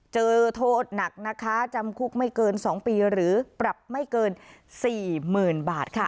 เจอโทษหนักนะคะจำคุกไม่เกิน๒ปีหรือปรับไม่เกิน๔๐๐๐บาทค่ะ